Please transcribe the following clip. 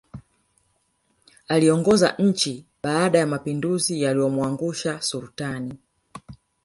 Aliongoza nchi baada ya mapinduzi yaliyomwangusha Sultani